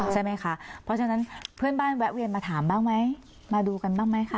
ใช่ไหมคะเพราะฉะนั้นเพื่อนบ้านแวะเวียนมาถามบ้างไหมมาดูกันบ้างไหมคะ